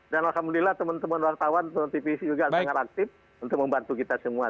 dan alhamdulillah teman teman wartawan teman tv juga sangat aktif untuk membantu kita semua